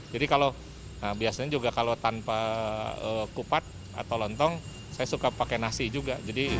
jadi kalau biasanya juga kalau tanpa kupat atau lontong saya suka pakai nasi juga